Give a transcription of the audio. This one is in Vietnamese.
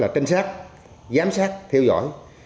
trinh sát giám sát theo dõi